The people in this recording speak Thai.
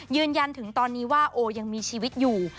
ยืนยันถึงตอนนี้ว่าโอยังมีชีวิตอยู่